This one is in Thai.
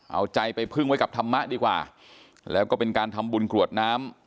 เอาใจไปพึ่งไว้กับธรรมะดีกว่าแล้วก็เป็นการทำบุญกรวดน้ำ